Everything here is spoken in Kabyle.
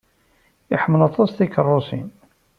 Iḥemmel aṭas tikeṛṛusin.